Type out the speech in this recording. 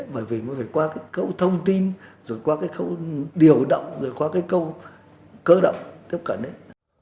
bởi vì mới phải qua cái câu thông tin rồi qua cái câu điều động rồi qua cái câu cơ động tiếp cận đấy